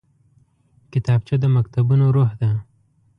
کتابچه د مکتبونو روح ده